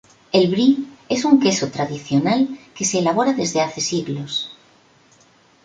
El brie es un queso tradicional que se elabora desde hace siglos.